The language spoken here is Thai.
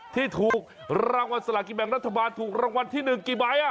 ที่ถูกรางวัลสละกิแบงค์รัฐบาลถูกรางวัลที่หนึ่งกี่ใบอ่ะ